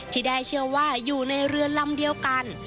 ที่ได้เชื่อว่าอยู่ในเรือลำเดียวกัน